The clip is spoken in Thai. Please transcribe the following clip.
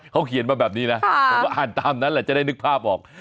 เขาเขียนมาแบบนี้นะผมก็อ่านตามนั้นแหละจะได้นึกภาพออก